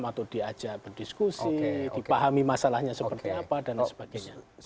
atau diajak berdiskusi dipahami masalahnya seperti apa dan lain sebagainya